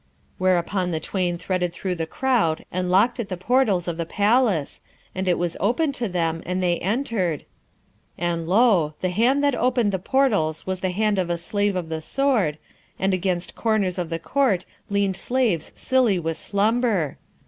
Thereupon the twain threaded through the crowd and locked at the portals of the palace, and it was opened to them and they entered, and lo! the hand that opened the portals was the hand of a slave of the Sword, and against corners of the Court leaned slaves silly with slumber.